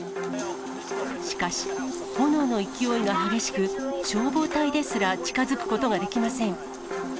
しかし、炎の勢いが激しく、消防隊ですら近づくことができません。